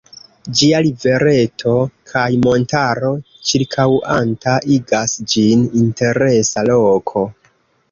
Ĝia rivereto kaj montaro ĉirkaŭanta igas ĝin interesa loko.